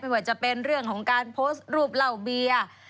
ว่าจะเป็นเรื่องของการโพสต์รูปเหล้าเบียร์